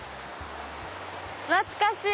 懐かしい！